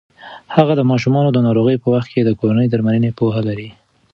هغه د ماشومانو د ناروغۍ په وخت کې د کورني درملنې پوهه لري.